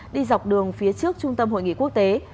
đi dọc đường phía trước trung tâm hội nghị quốc tế